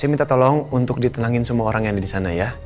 saya minta tolong untuk ditenangin semua orang yang ada di sana ya